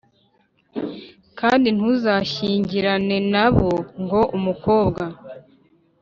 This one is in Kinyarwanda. Kandi ntuzashyingirane na bo ngo umukobwa